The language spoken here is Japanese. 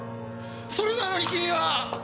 それなのに君は！